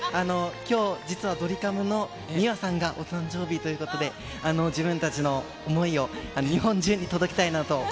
きょう、実はドリカムのみわさんがお誕生日ということで、自分たちの思いを日本中に届けたいなと思います。